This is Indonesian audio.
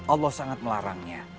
allah sangat melarangnya